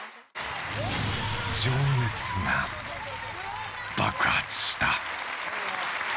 情熱が、爆発した。